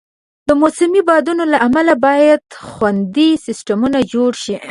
د موسمي بادونو له امله باید خنډي سیستمونه جوړ شي.